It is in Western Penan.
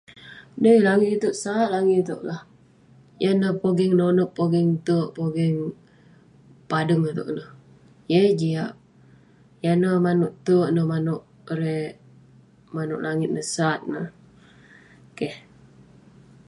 Dei langit itouk, sat langit itouk lah. Yan neh pogeng nonep, pogeng te'ek, pogeng padeng itouk ineh. Yeng eh jiak, yan neh manouk te'ek neh manouk erei langit ineh sat neh. Keh.